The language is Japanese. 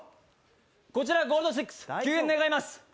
こちらゴールドシックス救援願います